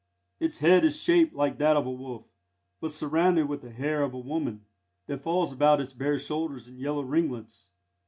Its head is shaped like that of a wolf, but surrounded with the hair of a woman, that falls about its bare shoulders in yellow ringlets.